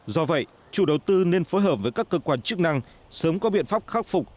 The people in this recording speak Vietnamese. do vậy chủ đầu tư nên phối hợp với các cơ quan chức năng sớm có biện pháp khắc phục